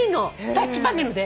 タッチパネルで？